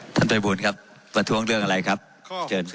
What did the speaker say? ท่านภัยบูลครับประท้วงเรื่องอะไรครับเชิญสิ